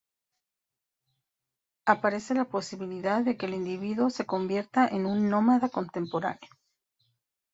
Aparece la posibilidad de que el individuo se convierta en un nómada contemporáneo.